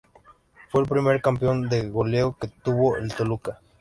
Fue el primer campeón de goleo que tuvo el Toluca.